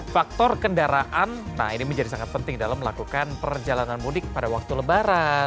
faktor kendaraan nah ini menjadi sangat penting dalam melakukan perjalanan mudik pada waktu lebaran